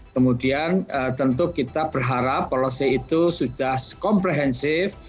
kemudian tentu kita berharap polisi itu sudah komprehensif